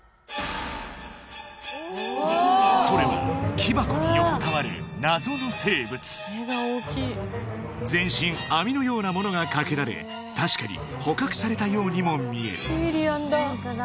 それは木箱に横たわる謎の生物全身網のようなものがかけられ確かに捕獲されたようにも見える